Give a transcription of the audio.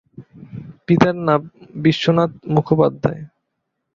পিতার নাম বিশ্বনাথ মুখোপাধ্যায়।